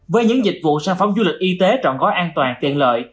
với những dịch vụ sản phẩm du lịch y tế trọn gói an toàn tiện lợi